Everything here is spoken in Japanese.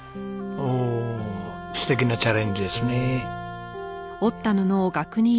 おお素敵なチャレンジですね。